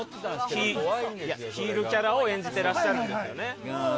ヒールキャラを演じていらっしゃるんですよね。